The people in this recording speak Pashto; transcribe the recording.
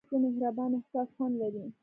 ښایست د مهربان احساس خوند لري